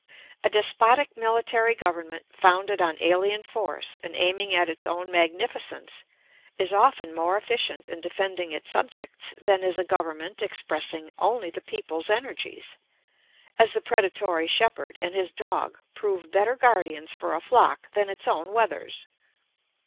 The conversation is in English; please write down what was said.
] A despotic military government founded on alien force and aiming at its own magnificence is often more efficient in defending its subjects than is a government expressing only the people's energies, as the predatory shepherd and his dog prove better guardians for a flock than its own wethers.